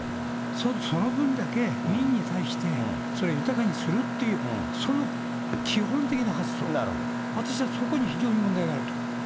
その分だけ、民に対して、それを豊かにするっていう、その基本的な発想、私はそこに非常に問題があると。